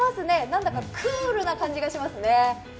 何だかクールな感じがしますね。